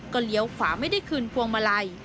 เลี้ยวขวาไม่ได้คืนพวงมาลัย